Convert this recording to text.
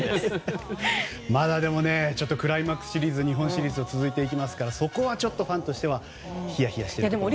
まだ、でもちょっとクライマックスシリーズ日本シリーズが続いていきますからそこはちょっとファンとしてはひやひやしているところもあって。